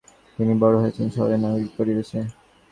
তিনি বড় হয়েছিলেন শহরে, নাগরিক পরেবেশে।